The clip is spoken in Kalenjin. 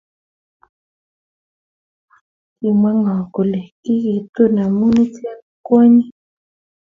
Kimw ngo kole kikitur amu iche ko kwonyik